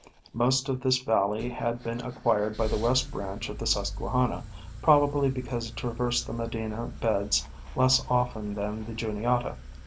Most of this valley has been acquired by the west branch of the Susquehanna, probably because it traversed the Medina beds less often than the Juniata.